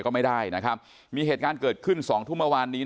ก็ไม่ได้นะครับมีเหตุการณ์เกิดขึ้น๒ทุ่มอาวานนี้ใน